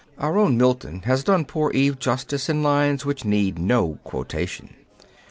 Our own Milton has done poor Eve justice in lines which need no quotation.